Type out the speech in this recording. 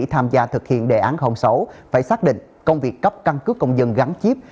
tham gia thực hiện đề án sáu phải xác định công việc cấp căn cứ công dân gắn chip